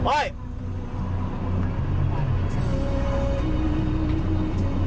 มาดิมา